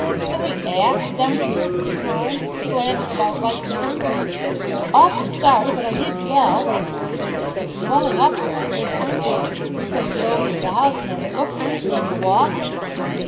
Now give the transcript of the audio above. "Silly ass, Dunster," he groaned, "slamming about like that." "Awfully sorry. But I did yell." "It's swelling up rather," said Mike. "You'd better get over to the house and have it looked at. Can you walk?"